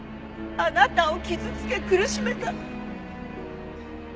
あなたを傷つけ苦しめた。